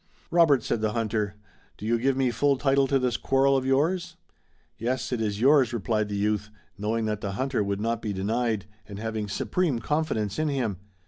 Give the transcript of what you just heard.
"Robert," said the hunter, "do you give me full title to this quarrel of yours?" "Yes, it is yours," replied the youth, knowing that the hunter would not be denied, and having supreme confidence in him.